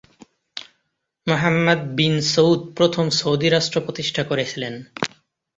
Muhammad bin Saud প্রথম Saudi রাষ্ট্র প্রতিষ্ঠা করেছিলেন।